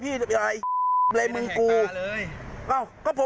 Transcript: ผมถ่ายอยู่แล้ว